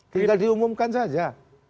tinggal diumumkan saja